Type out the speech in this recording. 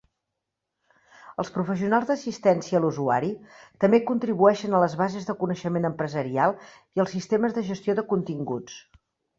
Els professionals d'assistència a l'usuari també contribueixen a les bases de coneixement empresarial i als sistemes de gestió de continguts.